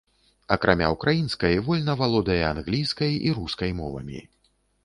Акрамя ўкраінскай вольна валодае англійскай і рускай мовамі.